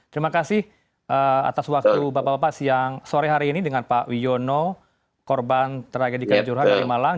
terima kasih atas waktu bapak bapak sore hari ini dengan pak wiono korban tragedikan juruhan dari malang